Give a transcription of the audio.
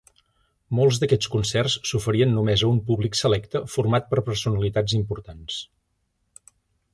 Molts d'aquests concerts s'oferien només a un públic selecte format per personalitats importants.